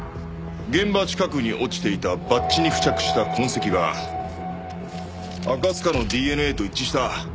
現場近くに落ちていたバッジに付着した痕跡が赤塚のＤＮＡと一致した。